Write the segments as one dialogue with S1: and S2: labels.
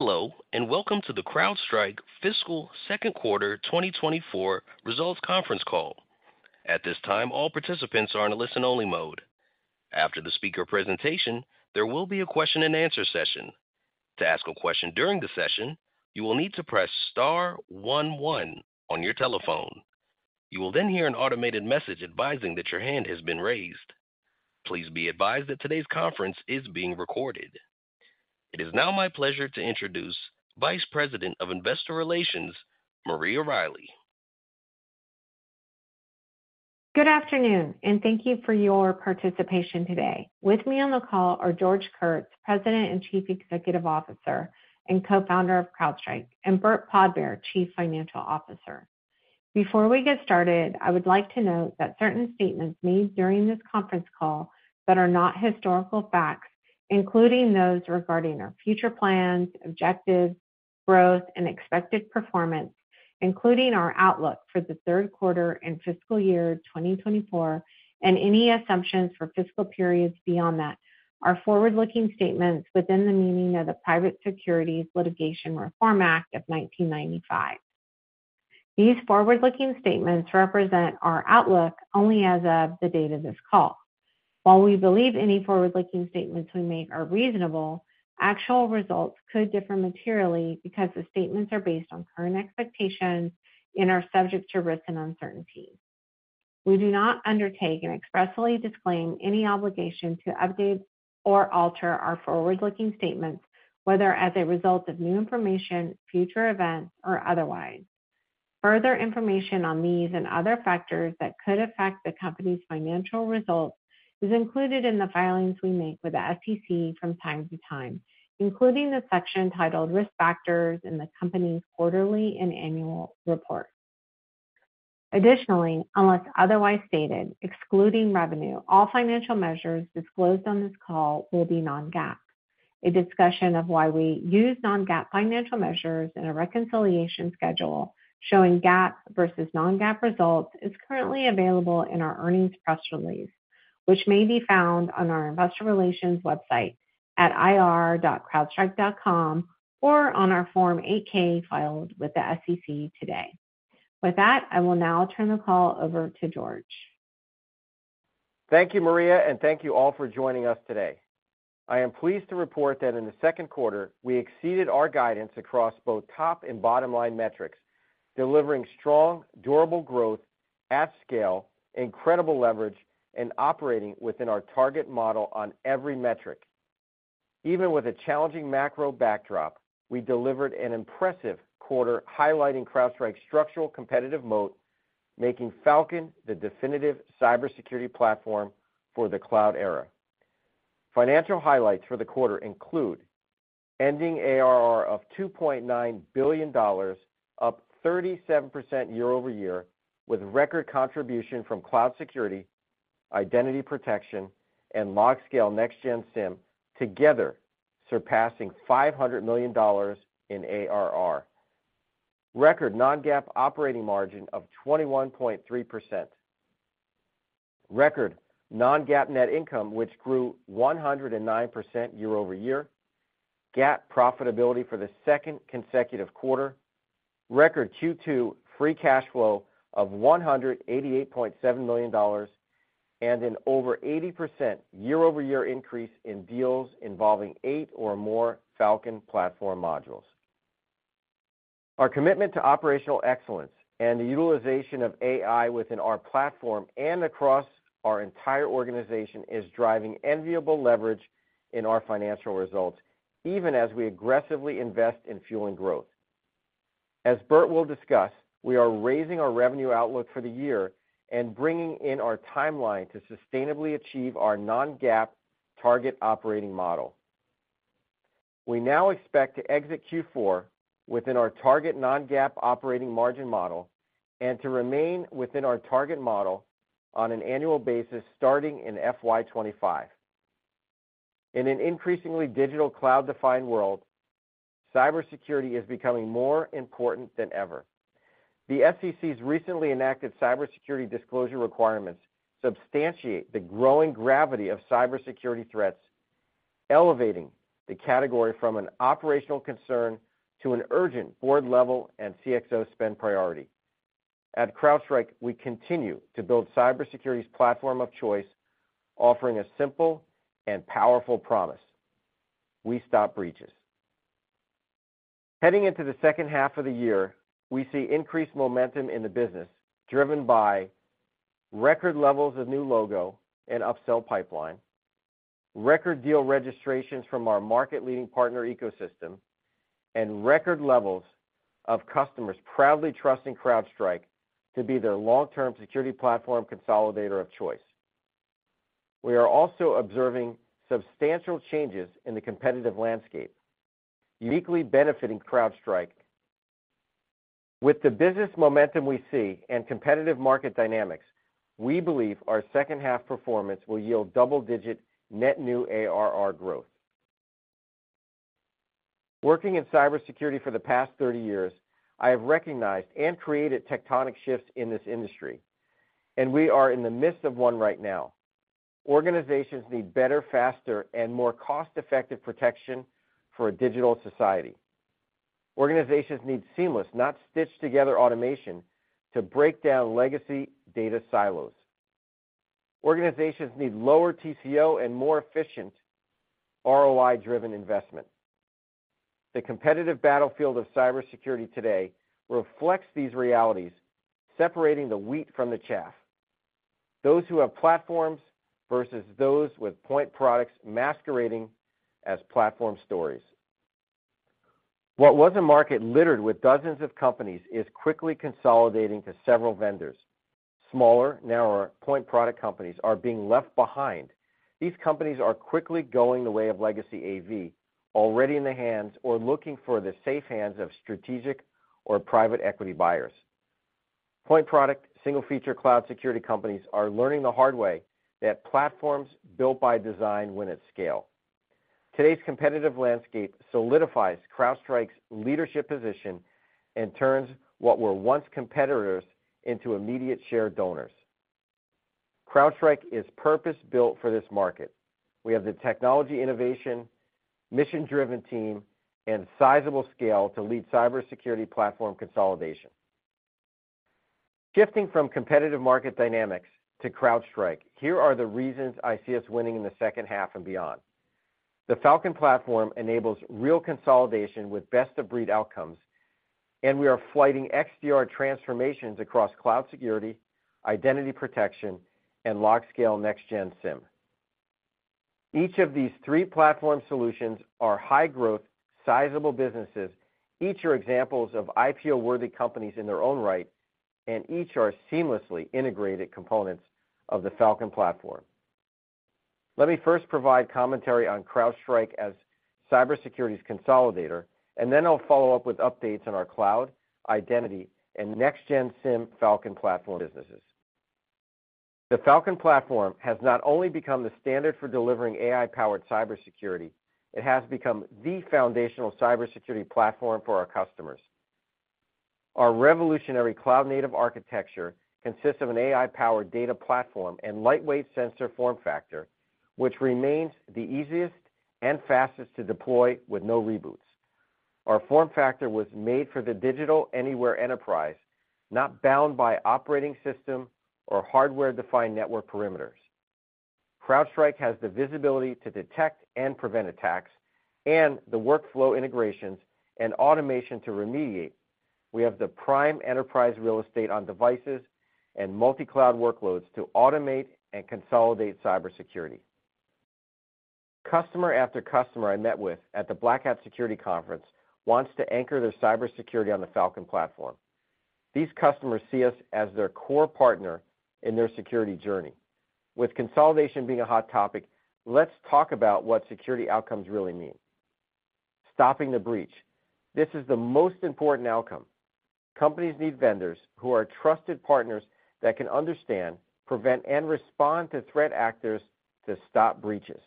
S1: Hello, and Welcome to the CrowdStrike Fiscal second quarter 2024 results conference call. At this time, all participants are in a listen-only mode. After the speaker presentation, there will be a question-and-answer session. To ask a question during the session, you will need to press star one one on your telephone. You will then hear an automated message advising that your hand has been raised. Please be advised that today's conference is being recorded. It is now my pleasure to introduce Vice President of Investor Relations, Maria Riley.
S2: Good afternoon, and thank you for your participation today. With me on the call are George Kurtz, President and Chief Executive Officer, and Co-founder of CrowdStrike, and Burt Podbere, Chief Financial Officer. Before we get started, I would like to note that certain statements made during this conference call that are not historical facts, including those regarding our future plans, objectives, growth, and expected performance, including our outlook for the third quarter and fiscal year 2024, and any assumptions for fiscal periods beyond that, are forward-looking statements within the meaning of the Private Securities Litigation Reform Act of 1995. These forward-looking statements represent our outlook only as of the date of this call. While we believe any forward-looking statements we make are reasonable, actual results could differ materially because the statements are based on current expectations and are subject to risks and uncertainties. We do not undertake and expressly disclaim any obligation to update or alter our forward-looking statements, whether as a result of new information, future events, or otherwise. Further information on these and other factors that could affect the company's financial results is included in the filings we make with the SEC from time to time, including the section titled Risk Factors in the company's quarterly and annual report. Additionally, unless otherwise stated, excluding revenue, all financial measures disclosed on this call will be non-GAAP. A discussion of why we use non-GAAP financial measures and a reconciliation schedule showing GAAP versus non-GAAP results is currently available in our earnings press release, which may be found on our investor relations website ir.crowdstrike.com or on our Form 8-K filed with the SEC today. With that, I will now turn the call over to George.
S3: Thank you, Maria, and thank you all for joining us today. I am pleased to report that in the second quarter, we exceeded our guidance across both top and bottom-line metrics, delivering strong, durable growth at scale, incredible leverage, and operating within our target model on every metric. Even with a challenging macro backdrop, we delivered an impressive quarter, highlighting CrowdStrike's structural competitive moat, making Falcon the definitive cybersecurity platform for the cloud era. Financial highlights for the quarter include ending ARR of $2.9 billion, up 37% year-over-year, with record contribution from cloud security, identity protection, and LogScale next-gen SIEM, together surpassing $500 million in ARR. Record non-GAAP operating margin of 21.3%. Record non-GAAP net income, which grew 109% year-over-year. GAAP profitability for the second consecutive quarter. Record Q2 free cash flow of $188.7 million, and an over 80% year-over-year increase in deals involving eight or more Falcon platform modules. Our commitment to operational excellence and the utilization of AI within our platform and across our entire organization is driving enviable leverage in our financial results, even as we aggressively invest in fueling growth. As Burt will discuss, we are raising our revenue outlook for the year and bringing in our timeline to sustainably achieve our non-GAAP target operating model. We now expect to exit Q4 within our target non-GAAP operating margin model and to remain within our target model on an annual basis starting in FY 2025. In an increasingly digital, cloud-defined world, cybersecurity is becoming more important than ever. The SEC's recently enacted cybersecurity disclosure requirements substantiate the growing gravity of cybersecurity threats, elevating the category from an operational concern to an urgent board-level and CXO spend priority. At CrowdStrike, we continue to build cybersecurity's platform of choice, offering a simple and powerful promise: We stop breaches. Heading into the second half of the year, we see increased momentum in the business, driven by record levels of new logo and upsell pipeline, record deal registrations from our market-leading partner ecosystem, and record levels of customers proudly trusting CrowdStrike to be their long-term security platform consolidator of choice. We are also observing substantial changes in the competitive landscape, uniquely benefiting CrowdStrike. With the business momentum we see and competitive market dynamics, we believe our second half performance will yield double-digit net new ARR growth. Working in cybersecurity for the past 30 years, I have recognized and created tectonic shifts in this industry, and we are in the midst of one right now. Organizations need better, faster, and more cost-effective protection for a digital society. Organizations need seamless, not stitched together automation, to break down legacy data silos. Organizations need lower TCO and more efficient ROI-driven investment. The competitive battlefield of cybersecurity today reflects these realities, separating the wheat from the chaff. Those who have platforms versus those with point products masquerading as platform stories. What was a market littered with dozens of companies is quickly consolidating to several vendors. Smaller, narrower point product companies are being left behind. These companies are quickly going the way of legacy AV, already in the hands or looking for the safe hands of strategic or private equity buyers. Point product, single feature cloud security companies are learning the hard way that platforms built by design win at scale. Today's competitive landscape solidifies CrowdStrike's leadership position and turns what were once competitors into immediate share donors. CrowdStrike is purpose-built for this market. We have the technology innovation, mission-driven team, and sizable scale to lead cybersecurity platform consolidation. Shifting from competitive market dynamics to CrowdStrike, here are the reasons I see us winning in the second half and beyond. The Falcon Platform enables real consolidation with best-of-breed outcomes, and we are flighting XDR transformations across cloud security, identity protection, and LogScale next-gen SIEM. Each of these three platform solutions are high growth, sizable businesses. Each are examples of IPO-worthy companies in their own right, and each are seamlessly integrated components of the Falcon Platform. Let me first provide commentary on CrowdStrike as cybersecurity's consolidator, and then I'll follow up with updates on our cloud, identity, and next-gen SIEM Falcon Platform businesses. The Falcon Platform has not only become the standard for delivering AI-powered cybersecurity, it has become the foundational cybersecurity platform for our customers. Our revolutionary cloud-native architecture consists of an AI-powered data platform and lightweight sensor form factor, which remains the easiest and fastest to deploy with no reboots. Our form factor was made for the digital anywhere enterprise, not bound by operating system or hardware-defined network perimeters. CrowdStrike has the visibility to detect and prevent attacks, and the workflow integrations and automation to remediate. We have the prime enterprise real estate on devices and multi-cloud workloads to automate and consolidate cybersecurity. Customer after customer I met with at the Black Hat Security Conference wants to anchor their cybersecurity on the Falcon Platform. These customers see us as their core partner in their security journey. With consolidation being a hot topic, let's talk about what security outcomes really mean. Stopping the breach. This is the most important outcome. Companies need vendors who are trusted partners that can understand, prevent, and respond to threat actors to stop breaches.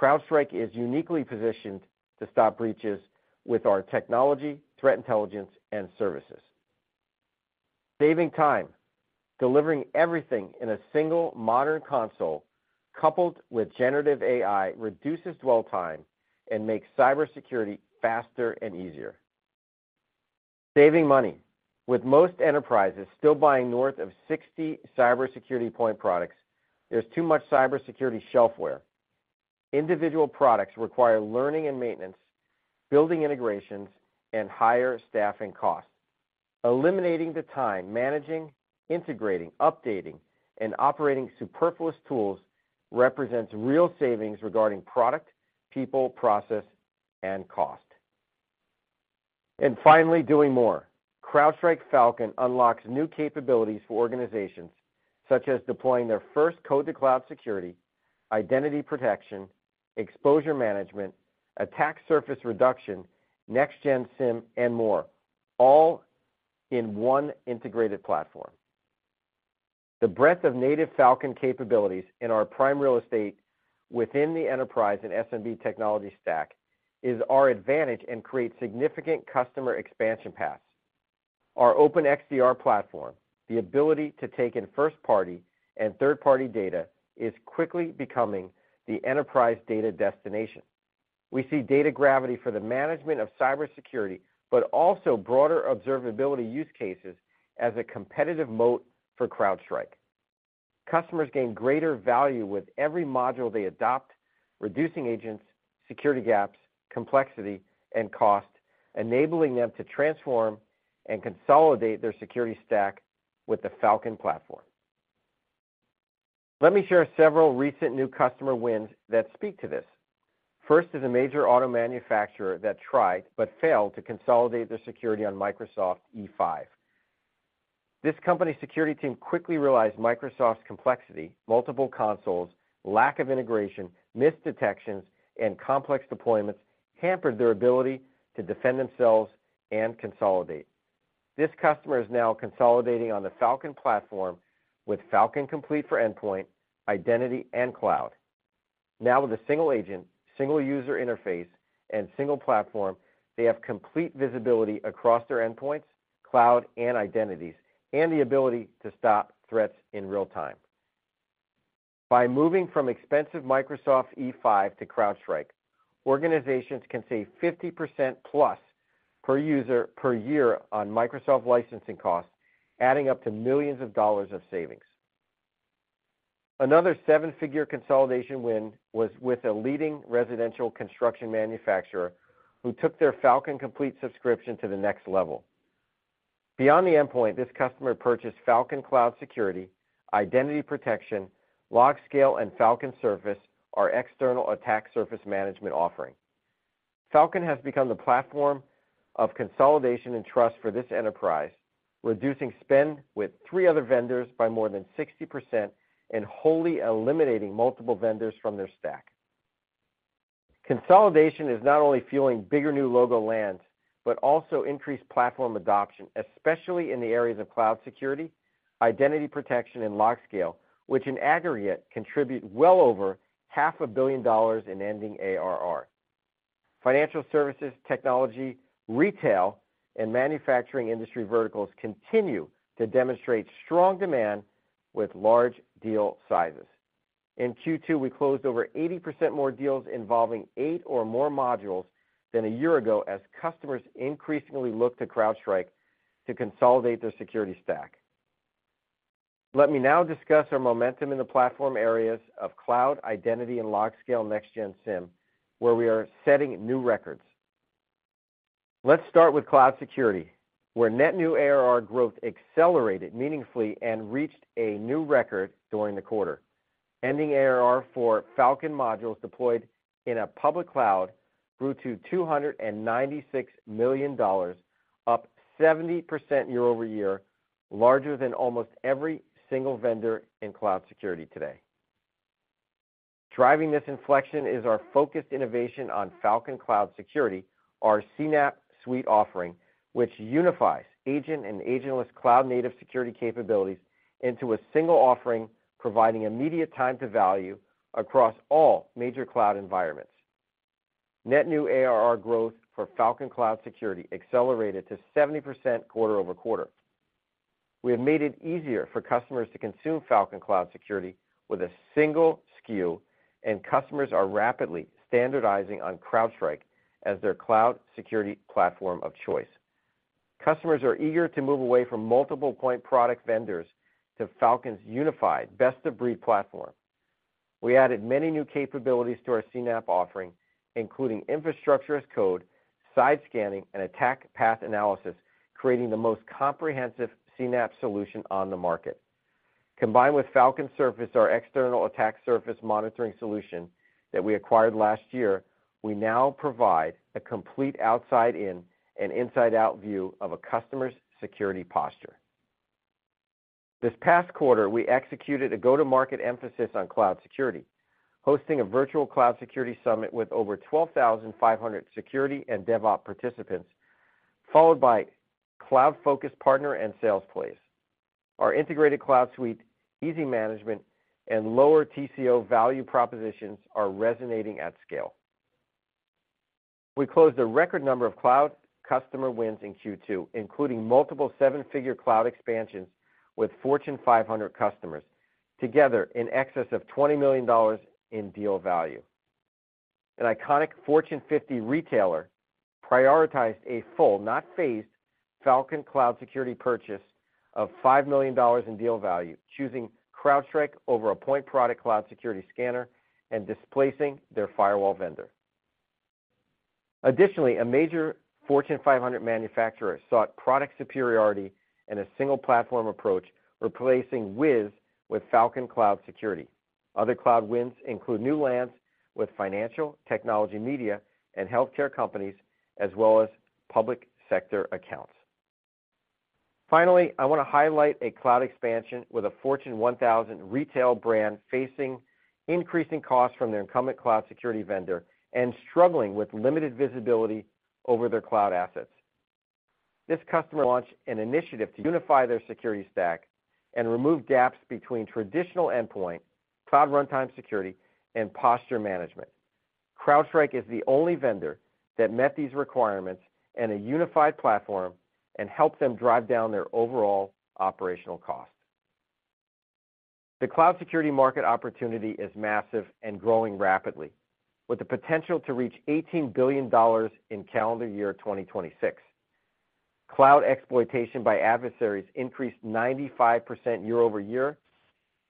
S3: CrowdStrike is uniquely positioned to stop breaches with our technology, threat intelligence, and services. Saving time, delivering everything in a single modern console, coupled with generative AI, reduces dwell time and makes cybersecurity faster and easier. Saving money. With most enterprises still buying north of 60 cybersecurity point products, there's too much cybersecurity shelfware. Individual products require learning and maintenance, building integrations, and higher staffing costs. Eliminating the time, managing, integrating, updating, and operating superfluous tools represents real savings regarding product, people, process, and cost. And finally, doing more. CrowdStrike Falcon unlocks new capabilities for organizations, such as deploying their first code-to-cloud security, identity protection, exposure management, attack surface reduction, next-gen SIEM, and more, all in one integrated platform. The breadth of native Falcon capabilities in our prime real estate within the enterprise and SMB technology stack is our advantage and creates significant customer expansion paths. Our open XDR platform, the ability to take in first-party and third-party data, is quickly becoming the enterprise data destination. We see data gravity for the management of cybersecurity, but also broader observability use cases as a competitive moat for CrowdStrike. Customers gain greater value with every module they adopt, reducing agents, security gaps, complexity, and cost, enabling them to transform and consolidate their security stack with the Falcon Platform. Let me share several recent new customer wins that speak to this. First is a major auto manufacturer that tried but failed to consolidate their security on Microsoft E5. This company's security team quickly realized Microsoft's complexity, multiple consoles, lack of integration, missed detections, and complex deployments hampered their ability to defend themselves and consolidate. This customer is now consolidating on the Falcon Platform with Falcon Complete for Endpoint, Identity, and Cloud. Now with a single agent, single user interface, and single platform, they have complete visibility across their endpoints, cloud, and identities, and the ability to stop threats in real time. By moving from expensive Microsoft E5 to CrowdStrike, organizations can save +50% per user, per year on Microsoft licensing costs, adding up to millions dollar of savings. Another seven-figure consolidation win was with a leading residential construction manufacturer, who took their Falcon complete subscription to the next level. Beyond the endpoint, this customer purchased Falcon Cloud Security, Identity Protection, LogScale, and Falcon Service, our external attack surface management offering. Falcon has become the platform of consolidation and trust for this enterprise, reducing spend with three other vendors by more than 60% and wholly eliminating multiple vendors from their stack. Consolidation is not only fueling bigger new logo lands, but also increased platform adoption, especially in the areas of cloud security, Identity Protection and LogScale, which in aggregate, contribute well over $500 million in ending ARR. Financial services, technology, retail, and manufacturing industry verticals continue to demonstrate strong demand with large deal sizes. In Q2, we closed over 80% more deals involving eight or more modules than a year ago, as customers increasingly look to CrowdStrike to consolidate their security stack. Let me now discuss our momentum in the platform areas of cloud, identity, and LogScale next-gen SIEM, where we are setting new records. Let's start with cloud security, where net new ARR growth accelerated meaningfully and reached a new record during the quarter. Ending ARR for Falcon modules deployed in a public cloud grew to $296 million, up 70% year-over-year, larger than almost every single vendor in cloud security today. Driving this inflection is our focused innovation on Falcon Cloud Security, our CNAPP suite offering, which unifies agent and agentless cloud native security capabilities into a single offering, providing immediate time to value across all major cloud environments. Net new ARR growth for Falcon Cloud Security accelerated to 70% quarter-over-quarter. We have made it easier for customers to consume Falcon Cloud Security with a single SKU, and customers are rapidly standardizing on CrowdStrike as their cloud security platform of choice. Customers are eager to move away from multiple point product vendors to Falcon's unified, best-of-breed platform. We added many new capabilities to our CNAPP offering, including infrastructure as code, side scanning, and attack path analysis, creating the most comprehensive CNAPP solution on the market. Combined with Falcon Service, our external attack surface monitoring solution that we acquired last year, we now provide a complete outside in and inside out view of a customer's security posture. This past quarter, we executed a go-to-market emphasis on cloud security, hosting a virtual cloud security summit with over 12,500 security and DevOps participants, followed by cloud-focused partner and sales plays. Our integrated cloud suite, easy management, and lower TCO value propositions are resonating at scale. We closed a record number of cloud customer wins in Q2, including multiple seven-figure cloud expansions with Fortune 500 customers, together in excess of $20 million in deal value. An iconic Fortune 50 retailer prioritized a full, not phased, Falcon Cloud Security purchase of $5 million in deal value, choosing CrowdStrike over a point product cloud security scanner and displacing their firewall vendor. Additionally, a major Fortune 500 manufacturer sought product superiority and a single platform approach, replacing Wiz with Falcon Cloud Security. Other cloud wins include new lands with financial, technology media, and healthcare companies, as well as public sector accounts. Finally, I want to highlight a cloud expansion with a Fortune 1000 retail brand facing increasing costs from their incumbent cloud security vendor and struggling with limited visibility over their cloud assets. This customer launched an initiative to unify their security stack and remove gaps between traditional endpoint, cloud runtime security, and posture management. CrowdStrike is the only vendor that met these requirements in a unified platform and helped them drive down their overall operational costs. The cloud security market opportunity is massive and growing rapidly, with the potential to reach $18 billion in calendar year 2026. Cloud exploitation by adversaries increased 95% year-over-year,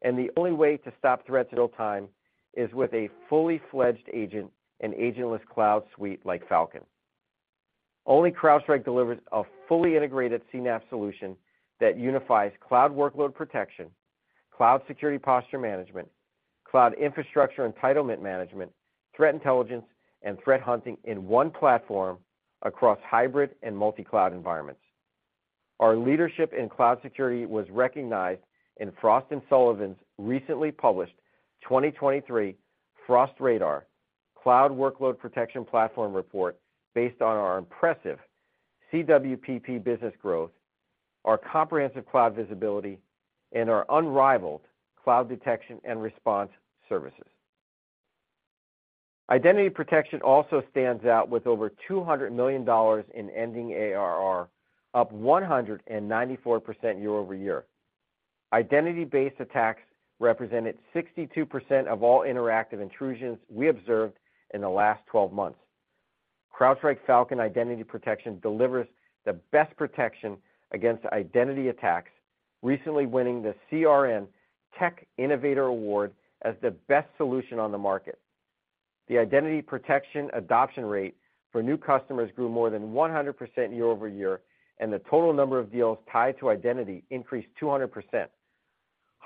S3: and the only way to stop threats at all time is with a fully fledged agent and agentless cloud suite like Falcon. Only CrowdStrike delivers a fully integrated CNAPP solution that unifies cloud workload protection, cloud security posture management, cloud infrastructure entitlement management, threat intelligence, and threat hunting in one platform across hybrid and multi-cloud environments. Our leadership in cloud security was recognized in Frost & Sullivan's recently published 2023 Frost Radar Cloud Workload Protection Platform report, based on our impressive CWPP business growth, our comprehensive cloud visibility, and our unrivaled cloud detection and response services. Identity protection also stands out with over $200 million in ending ARR, up 194% year-over-year. Identity-based attacks represented 62% of all interactive intrusions we observed in the last 12 months. CrowdStrike Falcon Identity Protection delivers the best protection against identity attacks, recently winning the CRN Tech Innovator Award as the best solution on the market. The identity protection adoption rate for new customers grew more than 100% year-over-year, and the total number of deals tied to identity increased 200%.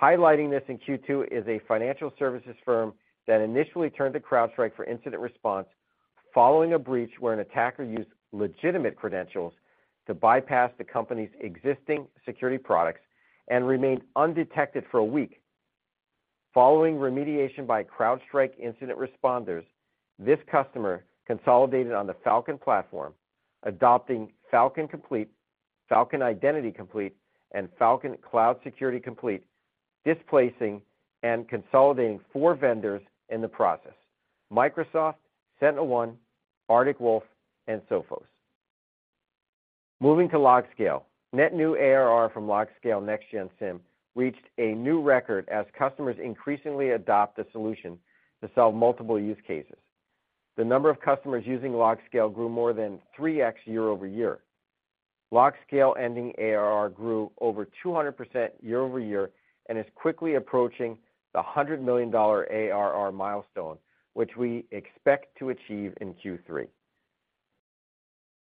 S3: Highlighting this in Q2 is a financial services firm that initially turned to CrowdStrike for incident response, following a breach where an attacker used legitimate credentials to bypass the company's existing security products and remained undetected for a week. Following remediation by CrowdStrike incident responders, this customer consolidated on the Falcon platform, adopting Falcon Complete, Falcon Identity Complete, and Falcon Cloud Security Complete, displacing and consolidating four vendors in the process: Microsoft, SentinelOne, Arctic Wolf, and Sophos. Moving to LogScale. Net new ARR from LogScale next-gen SIEM reached a new record as customers increasingly adopt the solution to solve multiple use cases. The number of customers using LogScale grew more than 3x year-over-year. LogScale ending ARR grew over 200% year-over-year and is quickly approaching the $100 million ARR milestone, which we expect to achieve in Q3.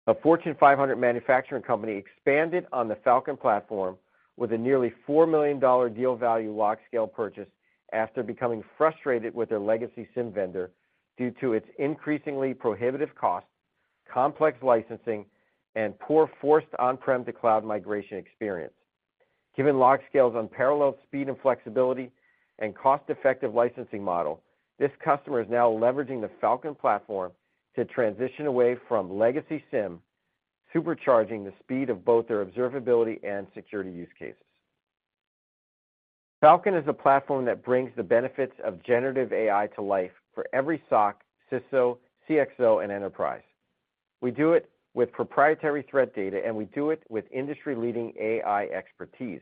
S3: A Fortune 500 manufacturing company expanded on the Falcon platform with a nearly $4 million deal value LogScale purchase after becoming frustrated with their legacy SIEM vendor due to its increasingly prohibitive cost, complex licensing, and poor forced on-prem to cloud migration experience. Given LogScale's unparalleled speed and flexibility and cost-effective licensing model, this customer is now leveraging the Falcon platform to transition away from legacy SIEM, supercharging the speed of both their observability and security use cases. Falcon is a platform that brings the benefits of generative AI to life for every SOC, CISO, CXO, and enterprise. We do it with proprietary threat data, and we do it with industry-leading AI expertise.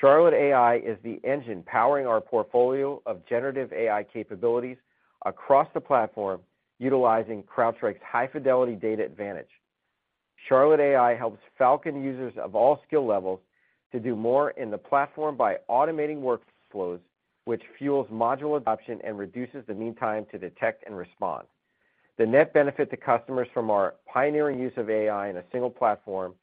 S3: Charlotte AI is the engine powering our portfolio of generative AI capabilities across the platform, utilizing CrowdStrike's high-fidelity data advantage. Charlotte AI helps Falcon users of all skill levels to do more in the platform by automating workflows, which fuels module adoption and reduces the mean time to detect and respond. The net benefit to customers from our pioneering use of AI in a single platform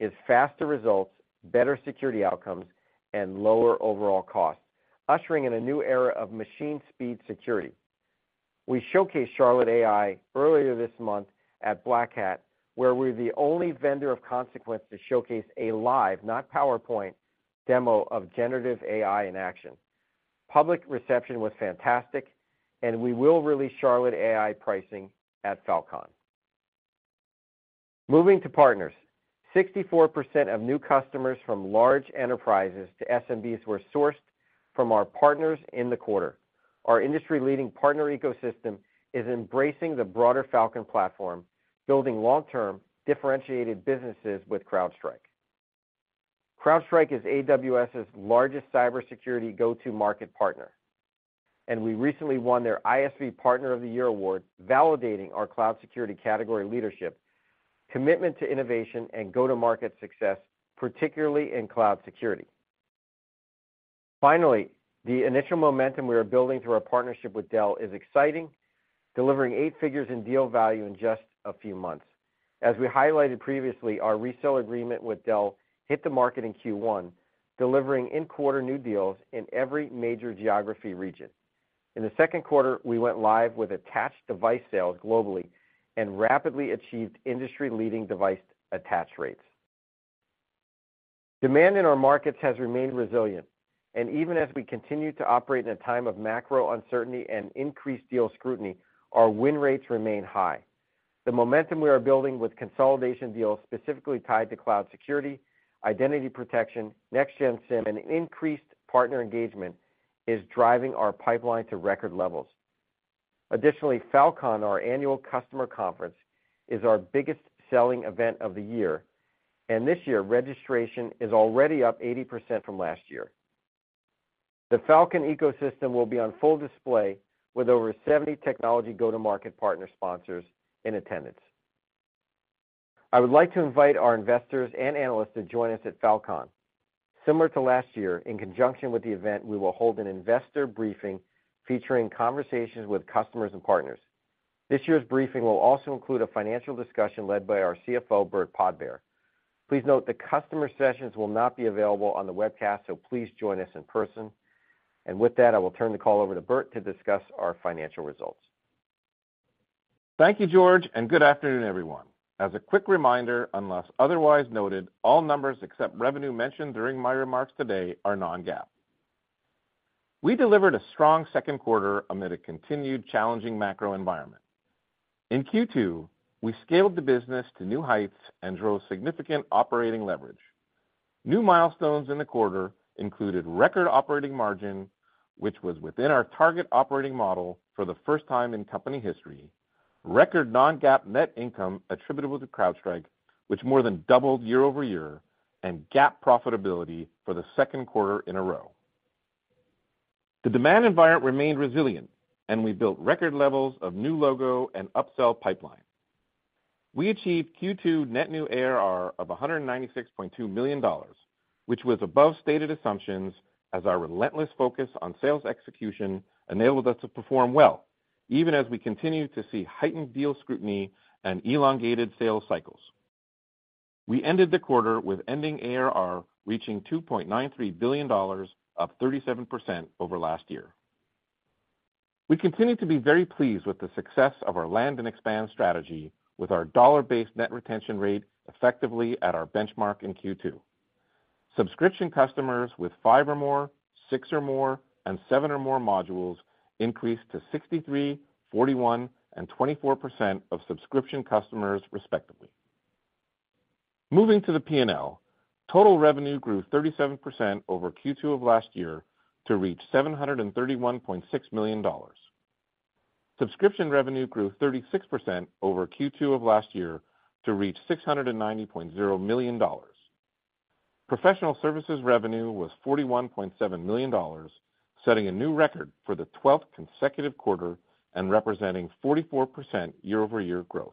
S3: is faster results, better security outcomes, and lower overall costs, ushering in a new era of machine speed security. We showcased Charlotte AI earlier this month at Black Hat, where we're the only vendor of consequence to showcase a live, not PowerPoint, demo of generative AI in action. Public reception was fantastic, and we will release Charlotte AI pricing at Falcon. Moving to partners. 64% of new customers, from large enterprises to SMBs, were sourced from our partners in the quarter. Our industry-leading partner ecosystem is embracing the broader Falcon platform, building long-term, differentiated businesses with CrowdStrike. CrowdStrike is AWS's largest cybersecurity go-to-market partner, and we recently won their ISV Partner of the Year award, validating our cloud security category leadership, commitment to innovation, and go-to-market success, particularly in cloud security. Finally, the initial momentum we are building through our partnership with Dell is exciting, delivering eight figures in deal value in just a few months. As we highlighted previously, our resale agreement with Dell hit the market in Q1, delivering in-quarter new deals in every major geography region. In the second quarter, we went live with attached device sales globally and rapidly achieved industry-leading device attach rates. Demand in our markets has remained resilient, and even as we continue to operate in a time of macro uncertainty and increased deal scrutiny, our win rates remain high. The momentum we are building with consolidation deals specifically tied to cloud security, identity protection, next-gen SIEM, and increased partner engagement, is driving our pipeline to record levels. Additionally, Falcon, our annual customer conference, is our biggest selling event of the year, and this year, registration is already up 80% from last year. The Falcon ecosystem will be on full display with over 70 technology go-to-market partner sponsors in attendance. I would like to invite our investors and analysts to join us at Falcon. Similar to last year, in conjunction with the event, we will hold an investor briefing featuring conversations with customers and partners. This year's briefing will also include a financial discussion led by our CFO, Burt Podbere. Please note, the customer sessions will not be available on the webcast, so please join us in person. With that, I will turn the call over to Burt to discuss our financial results.
S4: Thank you, George, and good afternoon, everyone. As a quick reminder, unless otherwise noted, all numbers except revenue mentioned during my remarks today are non-GAAP. We delivered a strong second quarter amid a continued challenging macro environment. In Q2, we scaled the business to new heights and drove significant operating leverage. New milestones in the quarter included record operating margin, which was within our target operating model for the first time in company history, record non-GAAP net income attributable to CrowdStrike, which more than doubled year-over-year, and GAAP profitability for the second quarter in a row. The demand environment remained resilient, and we built record levels of new logo and upsell pipeline. We achieved Q2 net new ARR of $196.2 million, which was above stated assumptions as our relentless focus on sales execution enabled us to perform well, even as we continue to see heightened deal scrutiny and elongated sales cycles. We ended the quarter with ending ARR reaching $2.93 billion, up 37% over last year. We continue to be very pleased with the success of our land and expand strategy, with our dollar-based net retention rate effectively at our benchmark in Q2. Subscription customers with five or more, six or more, and seven or more modules increased to 63%, 41%, and 24% of subscription customers, respectively. Moving to the P&L, total revenue grew 37% over Q2 of last year to reach $731.6 million. Subscription revenue grew 36% over Q2 of last year to reach $690.0 million. Professional services revenue was $41.7 million, setting a new record for the 12th consecutive quarter and representing 44% year-over-year growth.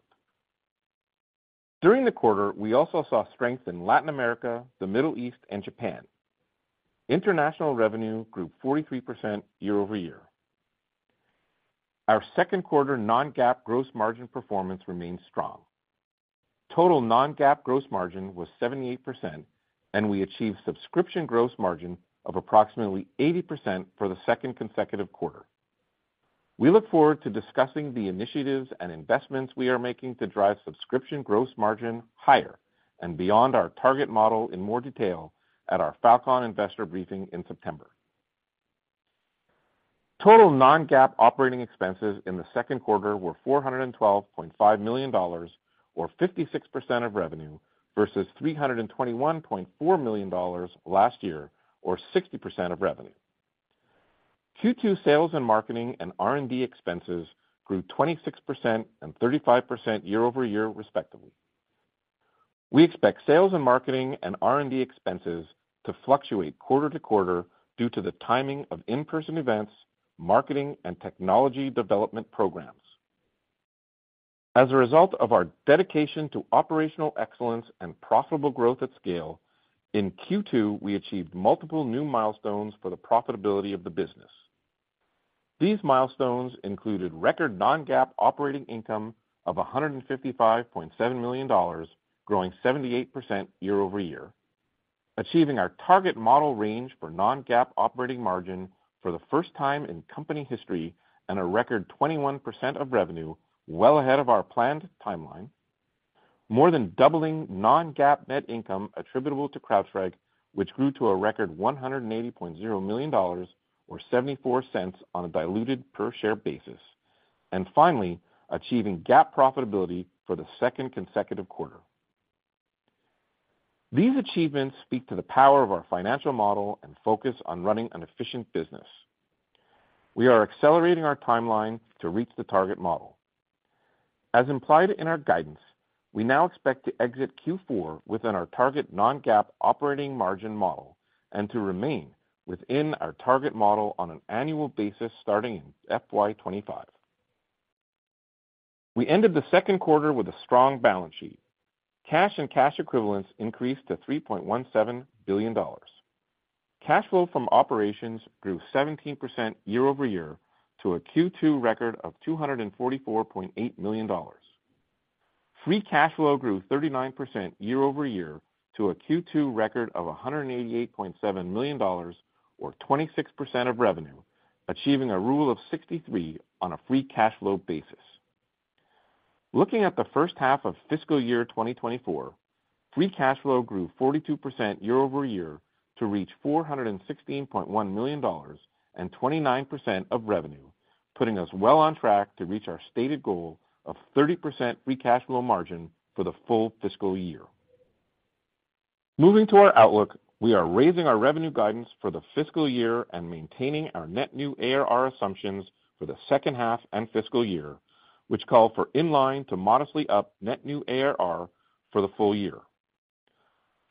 S4: During the quarter, we also saw strength in Latin America, the Middle East, and Japan. International revenue grew 43% year-over-year. Our second quarter non-GAAP gross margin performance remained strong. Total non-GAAP gross margin was 78%, and we achieved subscription gross margin of approximately 80% for the second consecutive quarter. We look forward to discussing the initiatives and investments we are making to drive subscription gross margin higher and beyond our target model in more detail at our Falcon investor briefing in September. Total non-GAAP operating expenses in the second quarter were $412.5 million, or 56% of revenue, versus $321.4 million last year, or 60% of revenue. Q2 sales and marketing and R&D expenses grew 26% and 35% year-over-year, respectively. We expect sales and marketing and R&D expenses to fluctuate quarter to quarter due to the timing of in-person events, marketing, and technology development programs. As a result of our dedication to operational excellence and profitable growth at scale, in Q2, we achieved multiple new milestones for the profitability of the business. These milestones included record non-GAAP operating income of $155.7 million, growing 78% year-over-year, achieving our target model range for non-GAAP operating margin for the first time in company history, and a record 21% of revenue well ahead of our planned timeline, more than doubling non-GAAP net income attributable to CrowdStrike, which grew to a record $180.0 million, or $0.74 on a diluted per share basis, and finally, achieving GAAP profitability for the second consecutive quarter. These achievements speak to the power of our financial model and focus on running an efficient business. We are accelerating our timeline to reach the target model. As implied in our guidance, we now expect to exit Q4 within our target non-GAAP operating margin model and to remain within our target model on an annual basis starting in FY 2025. We ended the second quarter with a strong balance sheet. Cash and cash equivalents increased to $3.17 billion. Cash flow from operations grew 17% year-over-year to a Q2 record of $244.8 million. Free cash flow grew 39% year-over-year to a Q2 record of $188.7 million, or 26% of revenue, achieving a rule of 63 on a free cash flow basis. Looking at the first half of fiscal year 2024, free cash flow grew 42% year-over-year to reach $416.1 million and 29% of revenue, putting us well on track to reach our stated goal of 30% free cash flow margin for the full fiscal year. Moving to our outlook, we are raising our revenue guidance for the fiscal year and maintaining our net new ARR assumptions for the second half and fiscal year, which call for in line to modestly up net new ARR for the full year.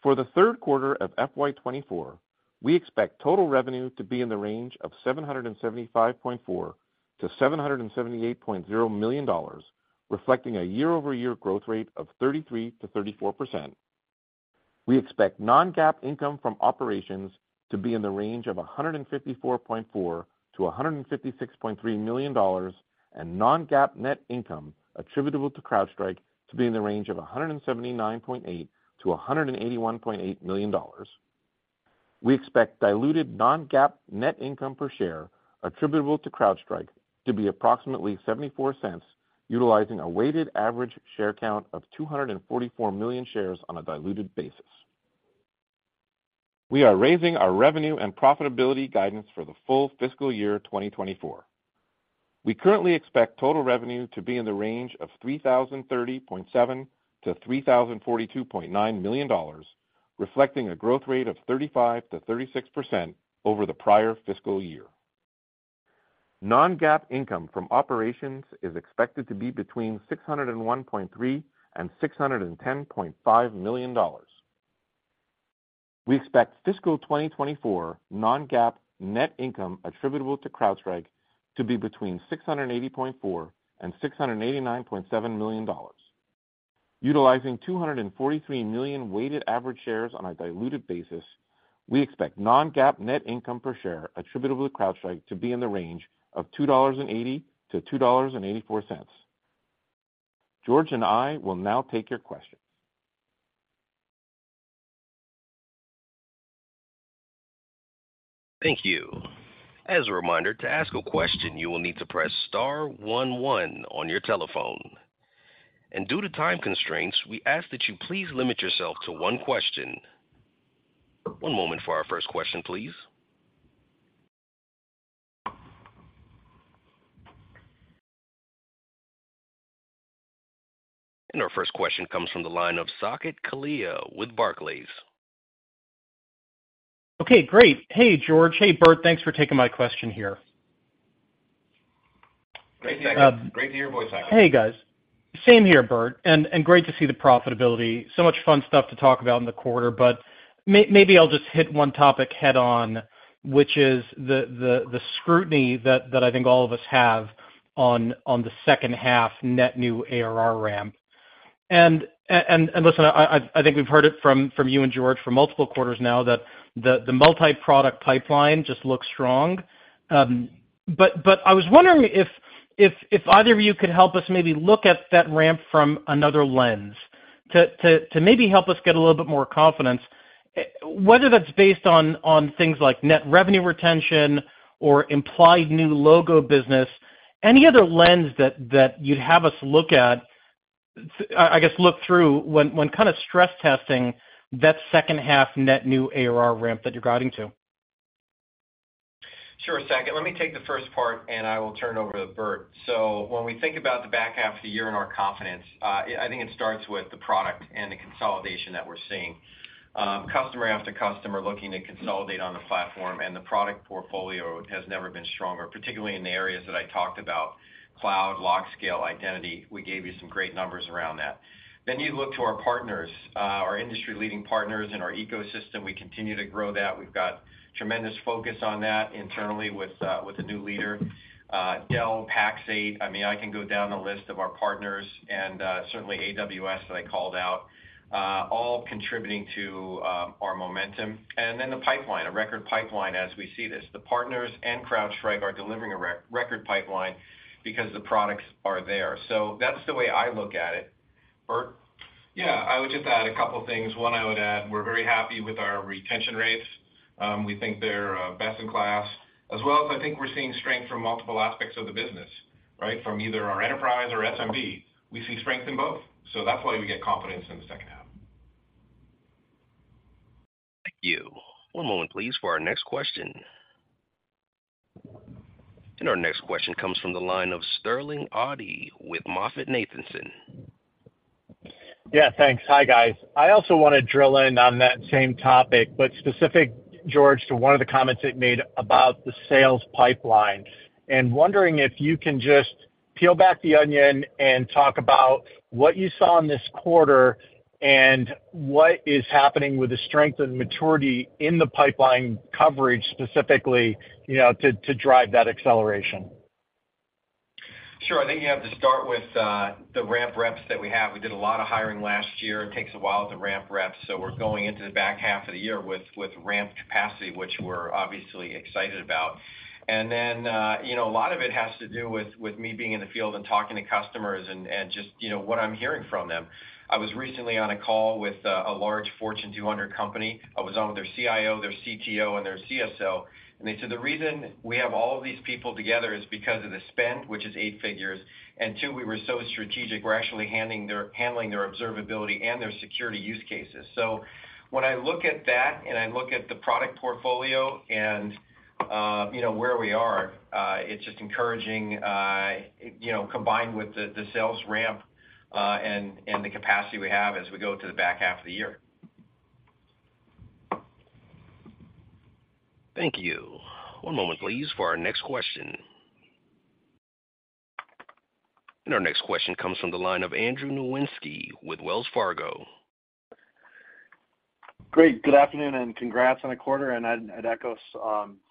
S4: For the third quarter of FY 2024, we expect total revenue to be in the range of $775.4 million-$778.0 million, reflecting a year-over-year growth rate of 33%-34%. We expect Non-GAAP income from operations to be in the range of $154.4 million-$156.3 million, and Non-GAAP net income attributable to CrowdStrike to be in the range of $179.8 million-$181.8 million. We expect diluted Non-GAAP net income per share attributable to CrowdStrike to be approximately $0.74, utilizing a weighted average share count of $244 million shares on a diluted basis.... We are raising our revenue and profitability guidance for the full fiscal year 2024. We currently expect total revenue to be in the range of $3,030.7 million-$3,042.9 million, reflecting a growth rate of 35%-36% over the prior fiscal year. Non-GAAP income from operations is expected to be between $601.3 million and $610.5 million. We expect fiscal 2024 non-GAAP net income attributable to CrowdStrike to be between $680.4 million and $689.7 million. Utilizing $243 million weighted average shares on a diluted basis, we expect non-GAAP net income per share attributable to CrowdStrike to be in the range of $2.80-$2.84. George and I will now take your questions.
S1: Thank you. As a reminder, to ask a question, you will need to press star one one on your telephone. Due to time constraints, we ask that you please limit yourself to one question. One moment for our first question, please. Our first question comes from the line of Saket Kalia with Barclays.
S5: Okay, great. Hey, George. Hey, Burt. Thanks for taking my question here.
S4: Great to hear, great to hear your voice, Saket.
S5: Hey, guys. Same here, Burt, and great to see the profitability. So much fun stuff to talk about in the quarter, but maybe I'll just hit one topic head on, which is the scrutiny that I think all of us have on the second half net new ARR ramp. And listen, I think we've heard it from you and George for multiple quarters now, that the multiproduct pipeline just looks strong. But I was wondering if either of you could help us maybe look at that ramp from another lens to maybe help us get a little bit more confidence, whether that's based on things like net revenue retention or implied new logo business, any other lens that you'd have us look at, I guess, look through when kind of stress testing that second half net new ARR ramp that you're guiding to?
S3: Sure, Saket, let me take the first part, and I will turn it over to Burt. So when we think about the back half of the year and our confidence, I think it starts with the product and the consolidation that we're seeing. Customer after customer looking to consolidate on the platform, and the product portfolio has never been stronger, particularly in the areas that I talked about, cloud, LogScale, identity. We gave you some great numbers around that. Then you look to our partners, our industry-leading partners and our ecosystem. We continue to grow that. We've got tremendous focus on that internally with a new leader, Dell, Pax8. I mean, I can go down the list of our partners and certainly AWS, that I called out, all contributing to our momentum. Then the pipeline, a record pipeline as we see this. The partners and CrowdStrike are delivering a record pipeline because the products are there. So that's the way I look at it. Burt?
S4: Yeah, I would just add a couple things. One, I would add, we're very happy with our retention rates. We think they're best in class, as well as I think we're seeing strength from multiple aspects of the business, right? From either our enterprise or SMB, we see strength in both. So that's why we get confidence in the second half.
S1: Thank you. One moment, please, for our next question. Our next question comes from the line of Sterling Auty with MoffettNathanson.
S6: Yeah, thanks. Hi, guys. I also want to drill in on that same topic, but specific, George, to one of the comments you made about the sales pipeline. And wondering if you can just peel back the onion and talk about what you saw in this quarter and what is happening with the strength and maturity in the pipeline coverage, specifically, you know, to, to drive that acceleration.
S3: Sure. I think you have to start with the ramp reps that we have. We did a lot of hiring last year. It takes a while to ramp reps, so we're going into the back half of the year with ramp capacity, which we're obviously excited about. And then, you know, a lot of it has to do with me being in the field and talking to customers and just, you know, what I'm hearing from them. I was recently on a call with a large Fortune 200 company. I was on with their CIO, their CTO, and their CSO, and they said, "The reason we have all of these people together is because of the spend, which is 8 figures, and two, we were so strategic, we're actually handling their observability and their security use cases." So when I look at that and I look at the product portfolio and, you know, where we are, it's just encouraging, you know, combined with the sales ramp, and the capacity we have as we go to the back half of the year.
S1: Thank you. One moment, please, for our next question. Our next question comes from the line of Andrew Nowinski with Wells Fargo.
S7: Great. Good afternoon, and congrats on the quarter. I'd echo